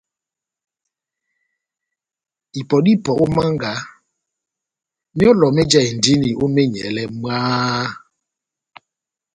Ipɔ dá ipɔ ó mánga, myɔlɔ méjahindini ó menyɛlɛ mwaaaha !